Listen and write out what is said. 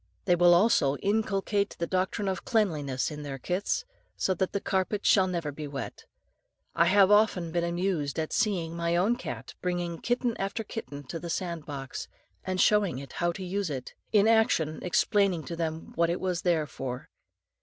They will also inculcate the doctrine of cleanliness in their kits, so that the carpet shall never be wet. I have often been amused at seeing my own cat bringing kitten after kitten to the sand box, and showing it how to use it, in action explaining to them what it was there for.